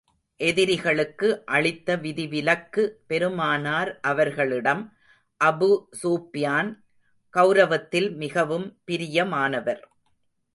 எதிரிகளுக்கு அளித்த விதிவிலக்கு பெருமானார் அவர்களிடம், அபூ ஸுப்யான் கெளரவத்தில் மிகவும் பிரியமானவர்.